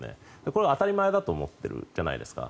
これは当たり前だと思っているじゃないですか。